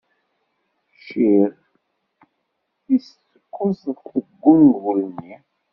Cciɣ tis kuẓet seg wengul-nni.